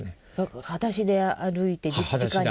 はだしで歩いてじかに。